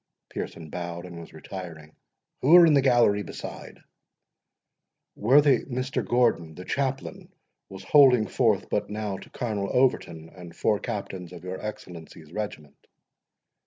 Pearson bowed, and was retiring. "Who are in the gallery beside?" "Worthy Mr. Gordon, the chaplain, was holding forth but now to Colonel Overton, and four captains of your Excellency's regiment."